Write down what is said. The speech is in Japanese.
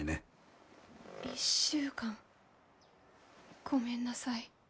１週間ごめんなさい。